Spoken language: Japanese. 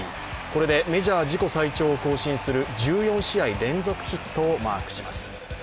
これでメジャー自己最長を更新する１４試合連続ヒットをマークします。